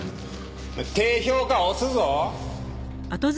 低評価押すぞ！